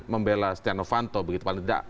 membela stiano vanto begitu paling tidak